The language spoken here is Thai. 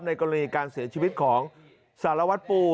กรณีการเสียชีวิตของสารวัตรปู